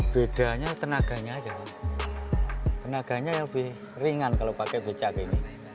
bedanya tenaganya aja tenaganya lebih ringan kalau pakai becak ini